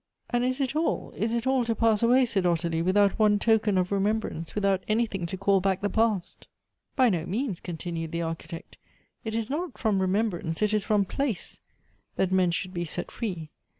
"And is it all, is it all to pass away," said Ottilie, "without one token of remembrance, without anything to call back the past ?"" By no means," continued the Architect :" it is not fi om remembrance, it is from place that men should be 158 Goethe's set free.